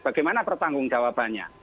bagaimana pertanggung jawabannya